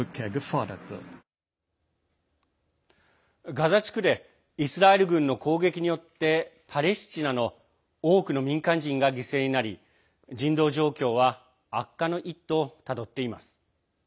ガザ地区でイスラエル軍の攻撃によってパレスチナの多くの民間人が犠牲になり人道状況は悪化の一途をたどっています。